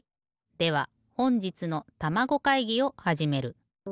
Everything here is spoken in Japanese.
ではほんじつのたまご会議をはじめる。